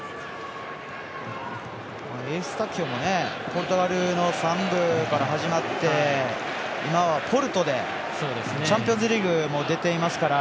エウスタキオもポルトガルの３部で始まって今はポルトでチャンピオンズリーグも出ていますから。